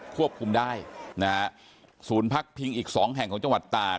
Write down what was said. ควบคุมได้นะฮะภาคพิ่งอีกสองแห่งของจังหวัดตาก